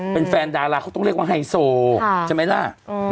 เป็นแฟนดาราเขาต้องเรียกว่าไฮโซใช่ไหมล่ะ